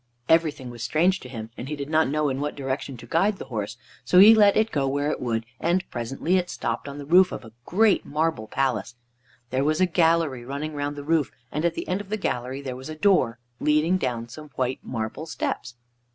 Everything was strange to him, and he did not know in what direction to guide the horse, so he let it go where it would, and presently it stopped on the roof of a great marble palace. There was a gallery running round the roof, and at the end of the gallery there was a door leading down some white marble steps.